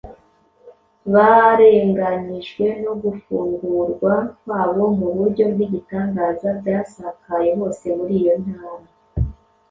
barenganyijwe no gufungurwa kwabo mu buryo bw’igitangaza byasakaye hose muri iyo ntara.